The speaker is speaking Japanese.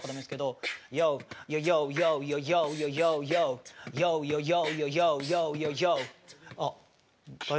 ＹＯ、ＹＯ、ＹＯ、ＹＯＹＯ、ＹＯ、ＹＯ、ＹＯ。